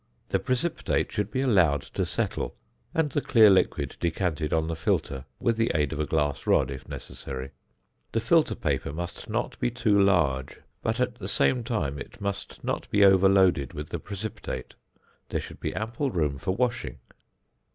The precipitate should be allowed to settle, and the clear liquid decanted on the filter with the aid of a glass rod if necessary. The filter paper must not be too large, but at the same time it must not be overloaded with the precipitate. There should be ample room for washing.